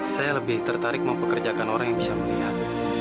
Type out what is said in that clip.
saya lebih tertarik mempekerjakan orang yang bisa melihat